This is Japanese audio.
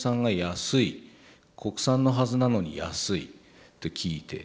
国産のはずなのに安いと聞いて。